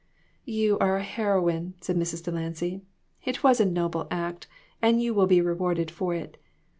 "You are a heroine," said Mrs. Delancy; "it was a noble act, and you will be rewarded for it.